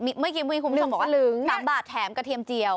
เมื่อกี้วีคุณผู้ชมบอกว่า๓บาทแถมกระเทียมเจียว